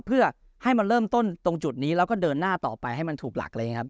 เพื่อให้มาเริ่มต้นตรงจุดนี้แล้วก็เดินหน้าต่อไปให้มันถูกหลักอะไรอย่างนี้ครับ